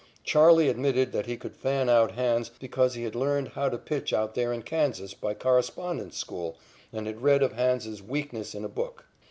"Charley" admitted that he could fan out Hans because he had learned how to pitch out there in Kansas by correspondence school and had read of "Hans's" weakness in a book.